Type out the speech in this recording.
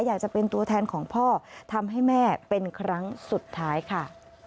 อยากจะเป็นตัวแทนของพ่อทำให้แม่เป็นครั้งสุดท้ายค่ะ